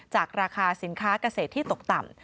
จากราคาสินค้ากเศษที่ตกต่ำ